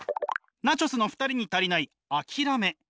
ナチョス。の２人に足りない諦め。